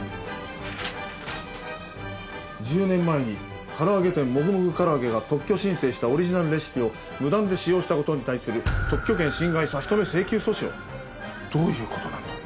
「１０年前に唐揚げ店『もぐもぐからあげ』が特許申請したオリジナルレシピを無断で使用したことに対する特許権侵害差止請求訴訟」どういう事なんだ？